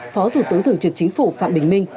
phó thủ tướng thường trực chính phủ phạm bình minh